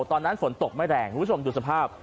ตอนนั้นฝนตกไม่แรงคุณผู้ชมดูสภาพ